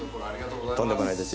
とんでもないです